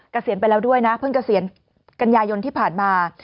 เกษียณไปแล้วด้วยนะเพิ่งเกษียณกันยายนที่ผ่านมา